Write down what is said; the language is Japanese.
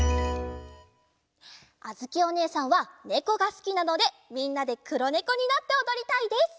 あづきおねえさんはねこがすきなのでみんなでくろねこになっておどりたいです！